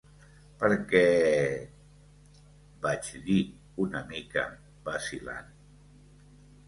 "Perquè...", vaig dir una mica vacil·lant.